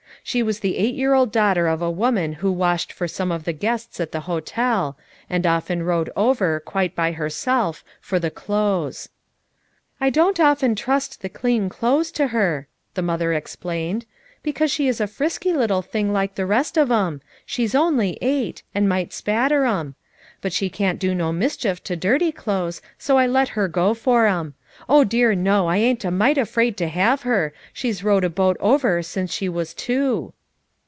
She was the eight year old daughter of a woman who washed for some of the guests at the hotel, and often rowed over, quite by herself, for the clothes. "I don't often trust the clean clothes to her," the mother explained, " because she is a frisky little thing like the rest of 'em — she's only eight — and might spatter 'em. But she can't do no mischief to dirty clothes so I let her go for 'em. dear no! I ain't a mite afraid to have her; she's rowed a boat ever since she was two."